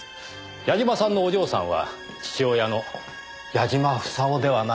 矢嶋さんのお嬢さんは父親の矢嶋房夫ではないかと。